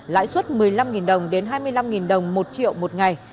lãi suất một mươi năm đồng đến hai mươi năm đồng một triệu một ngày